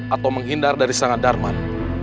atau menghindar dari serangan darman